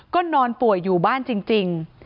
ก็นอนป่วยอยู่บ้านจริง